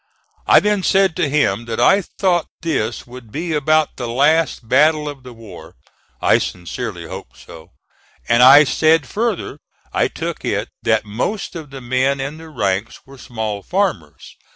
I then said to him that I thought this would be about the last battle of the war I sincerely hoped so; and I said further I took it that most of the men in the ranks were small farmers.